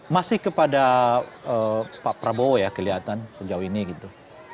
masih kepada pak prabowo ya kelihatan sejauh ini gitu